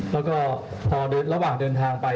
แล้วก็พอระหว่างเดินทางไป